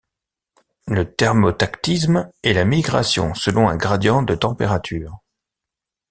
Le thermotactisme est la migration selon un gradient de température.